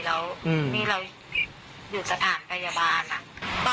แล้วนี่เราอยู่สถานพยาบาลอะ